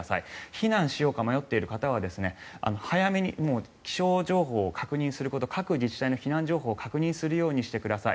避難しようか迷っている方は早めに気象情報を確認すること各自治体の避難情報を確認するようにしてください。